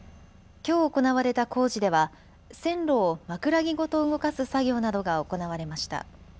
きょう行われた工事では線路を枕木ごと動かす作業などが行われました。